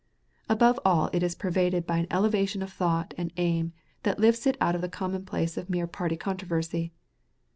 Above all it is pervaded by an elevation of thought and aim that lifts it out of the commonplace of mere party controversy.